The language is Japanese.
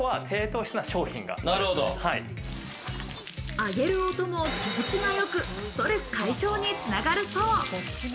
揚げる音も気持ちがよく、ストレス解消につながるそう。